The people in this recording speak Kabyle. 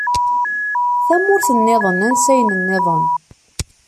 Tamurt-nniḍen, ansayen-nniḍen.